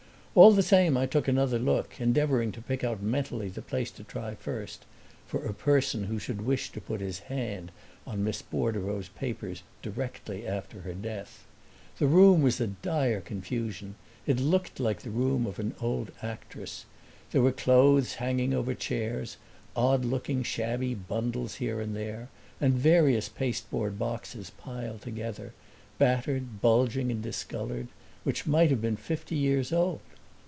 All the same I took another look, endeavoring to pick out mentally the place to try first, for a person who should wish to put his hand on Miss Bordereau's papers directly after her death. The room was a dire confusion; it looked like the room of an old actress. There were clothes hanging over chairs, odd looking shabby bundles here and there, and various pasteboard boxes piled together, battered, bulging, and discolored, which might have been fifty years old.